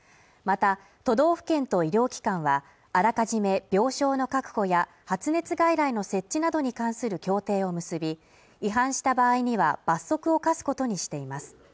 また都道府県等医療機関はあらかじめ病床の確保や発熱外来の設置などに関する協定を結び違反した場合には罰則を科すことにしています